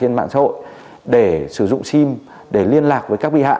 để liên lạc với các đối tượng để sử dụng sim để liên lạc với các đối tượng để liên lạc với các đối tượng